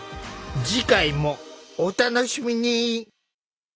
次回もお楽しみに！